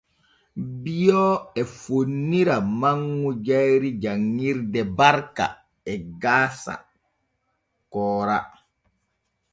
Bio e fonnira manŋu jayri janŋirde Barka e gasa Koora.